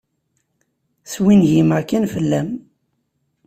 Swingimeɣ kan fell-am.